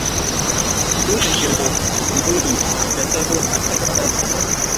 Nuna girman, launi, da salon a kan tsari fom.